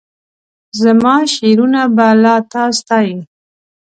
زماشعرونه به لا تا ستایي